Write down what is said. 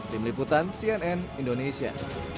tim liputan cnn indonesia